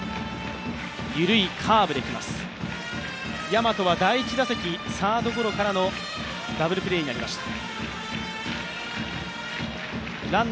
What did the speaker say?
大和は第１打席サードゴロからのダブルプレーになりました。